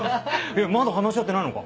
まだ話し合ってないのか？